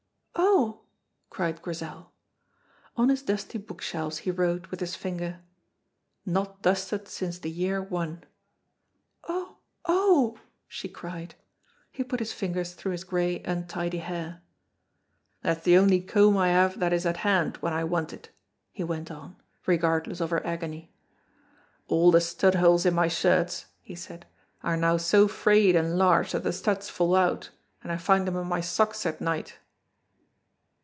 "Oh!" cried Grizel. On his dusty book shelves he wrote, with his finger, "Not dusted since the year One." "Oh! oh!" she cried. He put his fingers through his gray, untidy hair. "That's the only comb I have that is at hand when I want it," he went on, regardless of her agony. "All the stud holes in my shirts," he said, "are now so frayed and large that the studs fall out, and I find them in my socks at night."